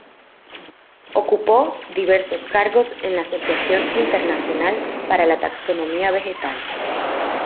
Ocupó diversos cargos en la Asociación Internacional para la Taxonomía Vegetal.